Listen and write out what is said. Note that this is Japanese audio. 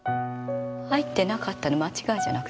「入ってなかった」の間違いじゃなくて？